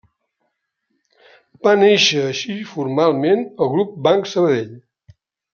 Va néixer així formalment el Grup Banc Sabadell.